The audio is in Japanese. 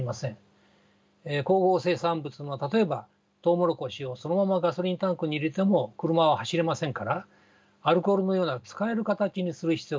光合成産物の例えばトウモロコシをそのままガソリンタンクに入れても車は走れませんからアルコールのような使える形にする必要があります。